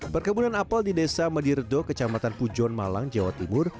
perkebunan apel di desa mediredo kecamatan pujon malang jawa timur